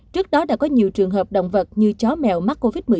trước đó đã có nhiều trường hợp động vật như chó mèo mắc covid một mươi chín